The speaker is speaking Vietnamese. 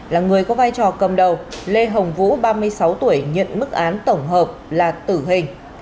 là người có vai trò cầm đầu lê hồng vũ ba mươi sáu tuổi nhận mức án tổng hợp là tử hình